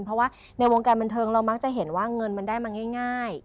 เพราะว่าในวงการบันเทิงเรามักจะเห็นว่าเงินมันได้มาง่าย